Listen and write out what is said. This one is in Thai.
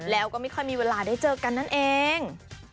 แล้วก็ไม่ค่อยมีเวลาได้เจอกันนั่นเอง